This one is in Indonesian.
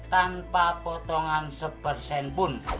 tanpa potongan sebersen pun